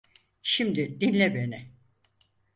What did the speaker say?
Şimdi dinle beni.